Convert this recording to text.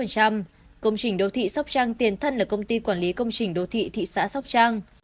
công trình đô thị sóc trăng tiền thân là công ty quản lý công trình đô thị thị xã sóc trang